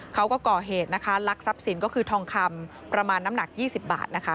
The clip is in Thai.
เขาก็ก่อเหตุนะคะลักทรัพย์สินก็คือทองคำประมาณน้ำหนัก๒๐บาทนะคะ